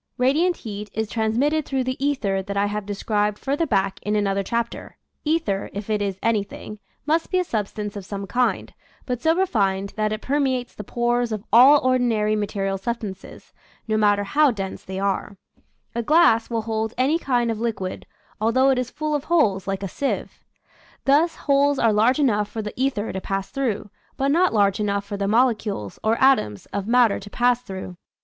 Radiant heat is transmitted through the ether that I have described further back in another chapter. Ether, if it is anything, must be a substance of some kind, but so re fined that it permeates the pores of all or dinary material substances, no matter how dense they are. A glass will hold any kind of liquid, although it is full of holes like a 149 {^\, Original from :IC UNIVERSITY 0FWISC0NSIN 150 "Nature's Afraclee* sieve. Those holes are large enough for the ether to pass through, but not large enough for the molecules, or atoms, of matter to pass through.